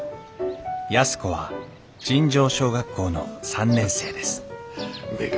安子は尋常小学校の３年生ですうめえか？